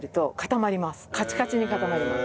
カチカチに固まります。